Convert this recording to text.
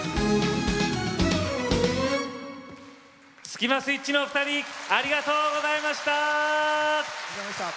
スキマスイッチのお二人ありがとうございました。